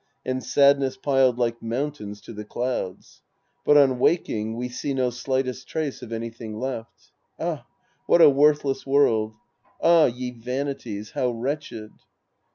And sadness piled like mountains to the clouds. But on waking, we see no slightest trace of anytliing left. Ah ! What a worth less world ! Ah, ye vanities ! How wretched